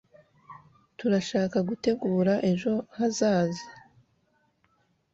turashaka gutegura ejo hazaza